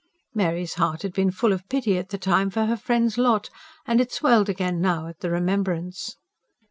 Mary's heart had been full of pity at the time, for her friend's lot; and it swelled again now at the remembrance.